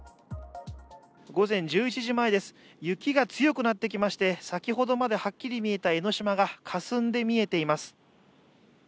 午前１１時前です、雪が強くなってきまして先ほどまではっきり見えた江の島がかすんで見えています。